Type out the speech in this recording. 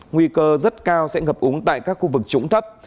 nguy cơ rất cao sẽ ngập úng tại các khu vực trũng thấp